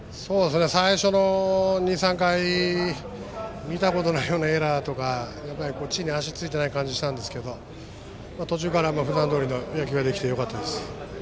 最初の２３回見たことないエラーとか地に足が着いていない感じがしたんですが途中から、普段どおりの野球ができてよかったです。